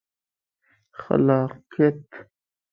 خلاقیت